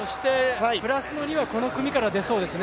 プラスの２はこの組から出そうですね。